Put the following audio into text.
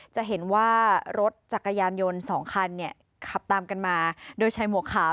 จะเห็นว่ารถจักรยานยนต์สองคันเนี่ยขับตามกันมาโดยใช้หมวกขาว